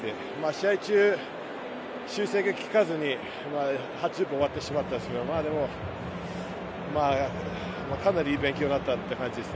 試合中、修正がきかずに８０分終わってしまったけどでも、かなりいい勉強になったという感じです。